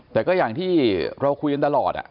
แต่ก็อย่างที่เราคุยกันตลอด